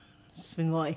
すごい。